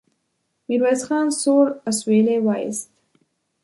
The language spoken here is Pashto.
ميرويس خان سوړ اسويلی وايست.